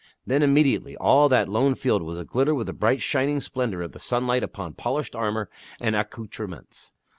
Then immediately all that lone field was a glitter with the bright shining splendor of the sunlight upon polished armor and accoutrements.